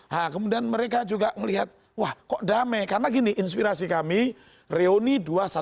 nah kemudian mereka juga melihat wah kok damai karena gini inspirasi kami reuni dua ratus dua belas